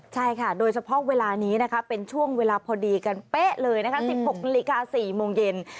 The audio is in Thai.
ใช่ค่ะโดยเฉพาะเวลานี้นะคะเป็นช่วงเวลาพอดีกันเป๊ะเลยนะคะ๑๖นาฬิกา๔โมงเย็น